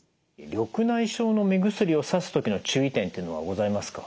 緑内障の目薬をさす時の注意点というのはございますか？